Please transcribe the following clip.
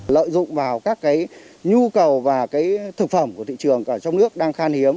lợi dụng vào các nhu cầu và thực phẩm của thị trường ở trong nước đang khan hiếm